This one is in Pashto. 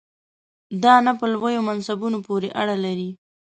دا نه په لویو منصبونو پورې اړه لري.